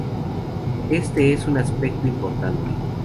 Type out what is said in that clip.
Este es un aspecto importante.